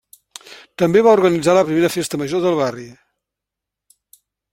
També va organitzar la primera festa major del barri.